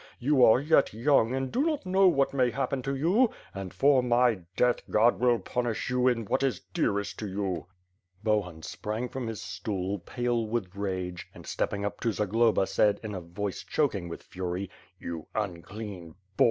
You are yet young and do not know what may happen to you; and, for my death, God will punish you in what is dearest to you." Bohun sprang from his stool, pale with rage, and, stepping up to Zagloba, said, in a voice choking with fury. "You imclean boar!